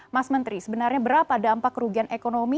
mas menteri sebenarnya berapa dampak kerugian ekonomi